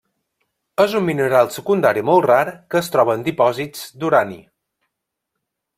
És un mineral secundari molt rar que es troba en dipòsits d'urani.